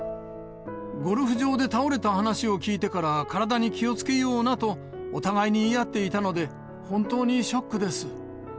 ゴルフ場で倒れた話を聞いてから、体に気をつけようなと、お互いに言い合っていたので、本当にショックです。